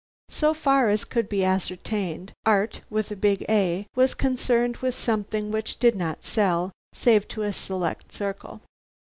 So far as could be ascertained Art, with a big "A," was concerned with something which did not sell, save to a select circle.